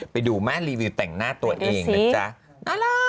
ไปดูแม่รีวิวแต่งหน้าตัวเองดูสิอารัก